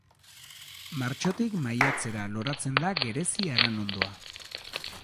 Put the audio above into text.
Martxotik maiatzera loratzen da gerezi-aranondoa.